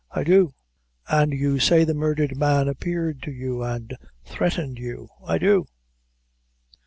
"I do." "And you say the murdered man appeared to you and threatened you?" "I do."